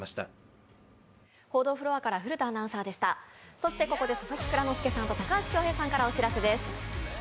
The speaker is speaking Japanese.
そしてここで佐々木蔵之介さんと高橋恭平さんからお知らせです。